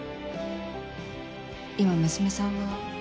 今娘さんは？